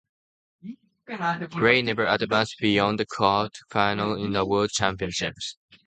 Gray never advanced beyond the quarter-finals in a World Championship.